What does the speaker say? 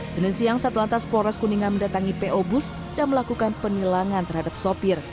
senin siang satu lantas polres kuningan mendatangi po bus dan melakukan penilangan terhadap sopir